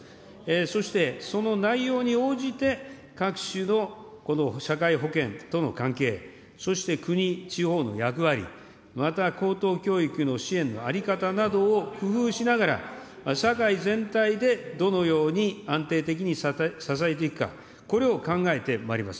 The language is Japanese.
そしてその内容に応じて、各種のこの社会保険との関係、そして国、地方の役割、また高等教育の支援の在り方などを工夫しながら、社会全体でどのように安定的に支えていくか、これを考えてまいります。